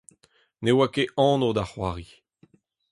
Ne oa ket anv da c'hoari.